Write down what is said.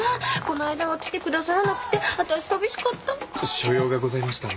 この間は来てくださらなくてわたし寂しかった。